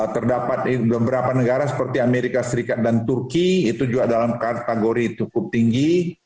terdapat beberapa negara seperti amerika serikat dan turki itu juga dalam kategori cukup tinggi